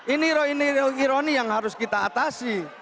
ini ironi yang harus kita atasi